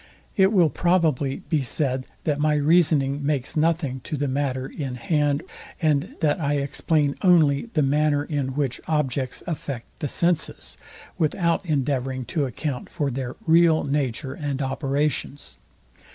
It will probably be said, that my reasoning makes nothing to the matter in hands and that I explain only the manner in which objects affect the senses, without endeavouring to account for their real nature and operations.